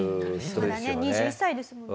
まだね２１歳ですものね。